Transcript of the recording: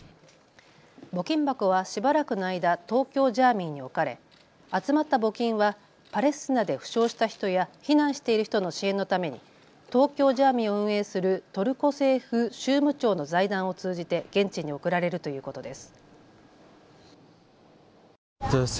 募金箱はしばらくの間、東京ジャーミイに置かれ集まった募金はパレスチナで負傷した人や避難している人の支援のために東京ジャーミイを運営するトルコ政府宗務庁の財団を通じて現地に送られるということです。